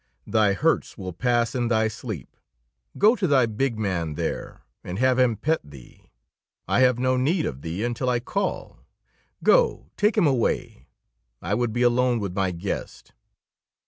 Thy hurts will pass in thy sleep. Go to thy big man there, and have him pet thee. I have no need of thee until I call. Go, take him away. I would be alone with my guest."